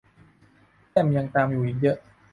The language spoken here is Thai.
แต้มยังตามอยู่อีกเยอะ